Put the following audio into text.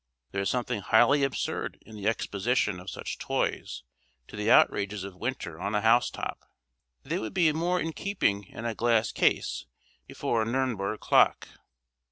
There is something highly absurd in the exposition of such toys to the outrages of winter on a housetop. They would be more in keeping in a glass case before a Nürnberg clock.